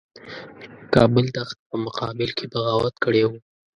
کابل تخت په مقابل کې بغاوت کړی وو.